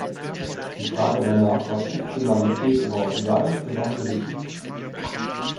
Die Frage danach, was Fiktionalität überhaupt sei, gewann Gewicht.